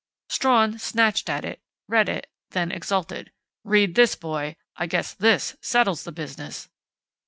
Strawn snatched at it, read it, then exulted: "Read this, boy! I guess this settles the business!"